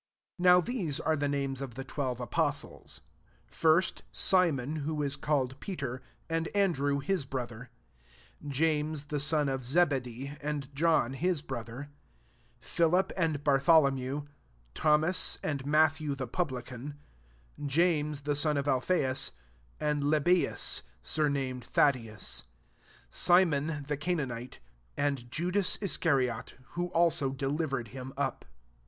2 Now these are the names of the twelve apostles : First, Simon who is called Peter, and Andrew his brother ; James the son of Zebedee, and John his brother ; Philip and Bartholomew ; Tho mas, and Matthew the publican ; James the son of Alpheus, and Lebbeus [sumamed Thadde us ;] 4 Simon the Canaanite, and Judas Iscariot, who also delivered him up.